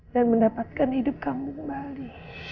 dan mendapatkan hidup kamu kembali